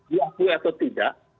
ya puy atau tidak